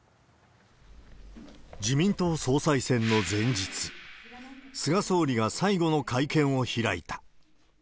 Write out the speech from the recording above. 自民党総裁選の前日、菅総理が最後の会見を開いた。